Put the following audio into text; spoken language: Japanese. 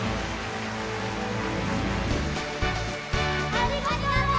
ありがとう！